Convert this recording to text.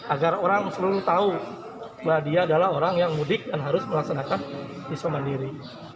agar orang selalu tahu bahwa dia adalah orang yang mudik dan harus melaksanakan isomandiri